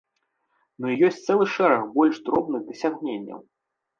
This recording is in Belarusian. Ну і ёсць цэлы шэраг больш дробных дасягненняў.